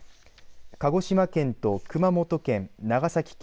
鹿児島県と熊本県長崎県